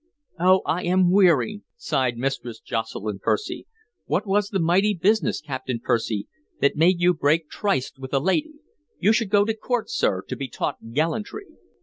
"Oh, I am weary!" sighed Mistress Jocelyn Percy. "What was the mighty business, Captain Percy, that made you break tryst with a lady? You should go to court, sir, to be taught gallantry."